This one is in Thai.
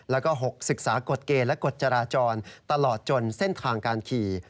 แล้วก็๖ศึกษากฎเกณฑ์และกฎจราจรตลอดจนเส้นทางการขี่